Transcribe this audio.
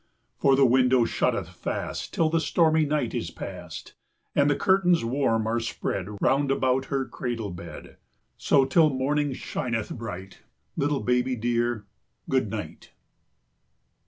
For the window shutteth fast, Till the stormy night is past; And the curtains warm are spread Round about her cradle bed: So till morning shineth bright Little baby dear, good night!